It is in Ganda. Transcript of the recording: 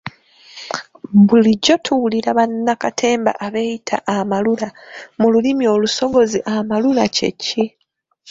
Bulijjo tuwulira bannakatemba abeeyita ba ‘amalula’ mu lulimi olusogozi amalula kye ki?